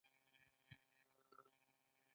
زه د خاموشۍ په وخت کې ښه فکر کولای شم.